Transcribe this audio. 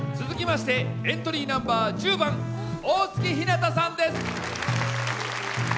続きましてエントリーナンバー１０番大月ひなたさんです！